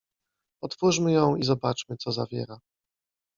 — Otwórzmy ją i zobaczmy, co zawiera.